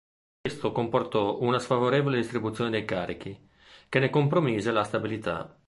Questo comportò una sfavorevole distribuzione dei carichi, che ne compromise la stabilità.